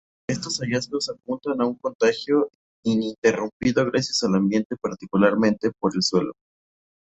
Estos hallazgos apuntan a un contagio ininterrumpido gracias al ambiente, particularmente por el suelo.